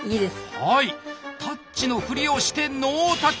はいタッチのふりをしてノータッチ！